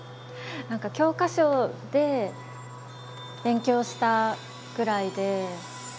何か教科書で勉強したぐらいで。